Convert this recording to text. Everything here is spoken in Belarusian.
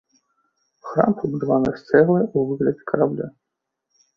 Храм пабудаваны з цэглы ў выглядзе карабля.